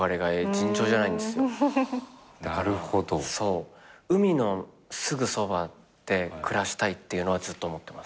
だから海のすぐそばで暮らしたいっていうのはずっと思ってます。